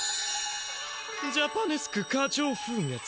ジャパネスク花鳥風月